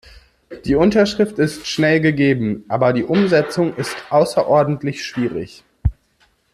Die Unterschrift ist schnell gegeben, aber die Umsetzung ist außerordentlich schwierig.